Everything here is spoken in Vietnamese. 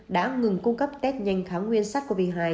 đã ngừng cung cấp test nhanh kháng nguyên sắc covid một mươi chín